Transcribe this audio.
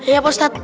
ya pak ustadz